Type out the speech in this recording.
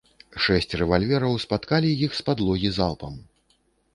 Шэсць рэвальвераў спаткалі іх з падлогі залпам.